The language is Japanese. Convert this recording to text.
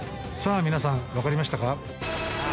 さあ皆さん分かりましたか？